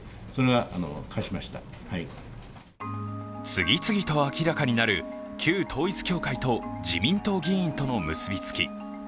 次々と明らかになる旧統一教会と自民党議員との結びつき。